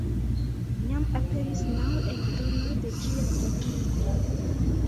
Jam aperis naŭ eldonoj de ĝia traduko.